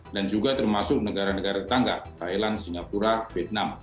dan juga termasuk negara negara tangga thailand singapura vietnam